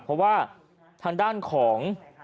เพราะว่าทางด้านของ